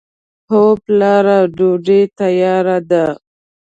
هو پلاره! ډوډۍ تیاره ده.